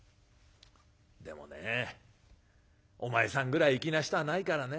『でもねお前さんぐらい粋な人はないからね。